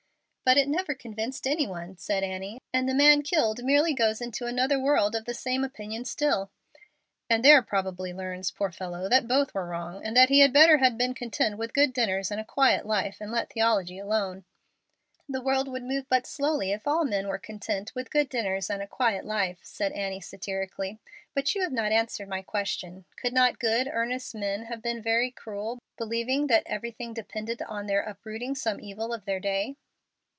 "But it never convinced any one," said Annie, "and the man killed merely goes into another world of the same opinion still." "And there probably learns, poor fellow, that both were wrong, and that he had better have been content with good dinners and a quiet life, and let theology alone." "The world would move but slowly, if all men were content with 'good dinners and a quiet life,'" said Annie, satirically. "But you have not answered my question. Could not good, earnest men have been very cruel, believing that everything depended on their uprooting some evil of their day?"